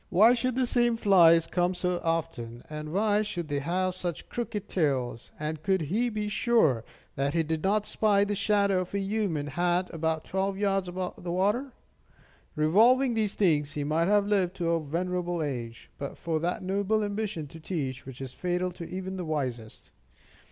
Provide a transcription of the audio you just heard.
Why should the same flies come so often, and why should they have such crooked tails, and could he be sure that he did not spy the shadow of a human hat about twelve yards up the water? Revolving these things, he might have lived to a venerable age but for that noble ambition to teach, which is fatal to even the wisest.